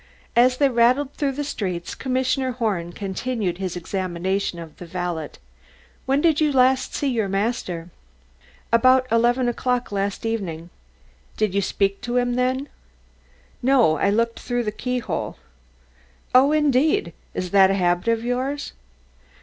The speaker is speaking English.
As they rattled through the streets, Commissioner Horn continued his examination of the valet. "When did you see your master last?" "About eleven o'clock last evening." "Did you speak with him then? "No, I looked through the keyhole." "Oh, indeed; is that a habit of yours?"